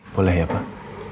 boleh ya pak